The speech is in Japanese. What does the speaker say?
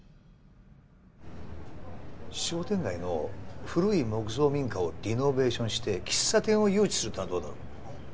商店街の古い木造民家をリノベーションして喫茶店を誘致するっていうのはどうだろう？